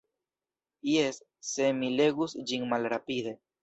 Jes, se mi legus ĝin malrapide.